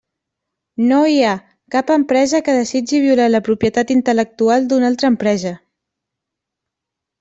No hi ha cap empresa que desitgi violar la propietat intel·lectual d'una altra empresa.